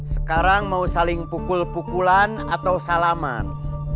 sekarang mau saling pukul pukulan atau salaman